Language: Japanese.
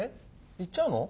行っちゃうの？